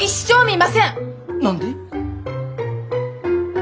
何で？